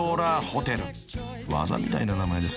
［技みたいな名前です］